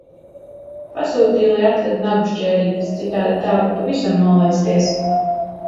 Pasūtīju lai atved nagu šķērītes, citādi tā var pavisam nolaisties.